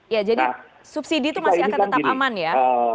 ya jadi subsidi itu masih akan tetap aman ya